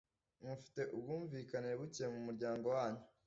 mufite ubwumvikane buke mu muryango wanyu